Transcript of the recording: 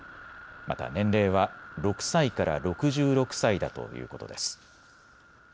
また年齢は６歳から６６歳だということです。